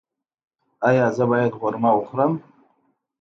ایا زه باید قورمه وخورم؟